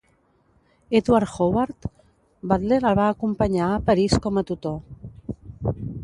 Edward Howard, Butler el va acompanyar a París com a tutor.